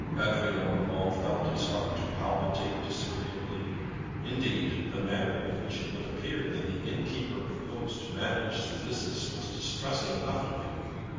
Adrian Urmand felt his heart to palpitate disagreeably. Indeed, the manner in which it would appear that the innkeeper proposed to manage the business was distressing enough to him.